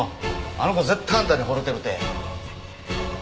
あの子絶対あんたに惚れてるで。